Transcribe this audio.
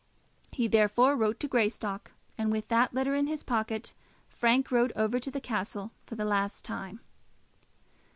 He therefore wrote to Greystock, and with that letter in his pocket, Frank rode over to the castle for the last time.